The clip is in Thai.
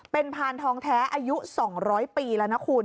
เป็นพานทองแท้อายุ๒๐๐ปีแล้วนะคุณ